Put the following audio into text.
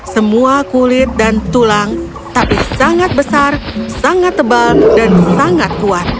semua kulit dan tulang tapi sangat besar sangat tebal dan sangat kuat